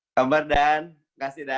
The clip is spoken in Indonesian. selamat dan kasih dan